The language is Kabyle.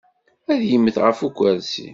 Ad yemmet ɣef ukursi.